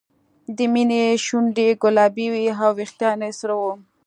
د مینې شونډې ګلابي وې او وېښتان یې سره وو